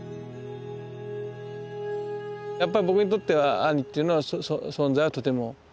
やっぱり僕にとっては兄っていうのは存在はとても大きいっていうか。